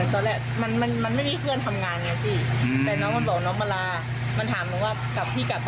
ตอนแรกมันไม่มีเพื่อนทำงานไงสิแต่น้องมันบอกน้องมะลา